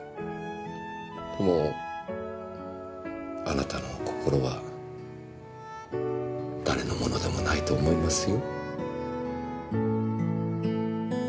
でもあなたの心は誰のものでもないと思いますよ。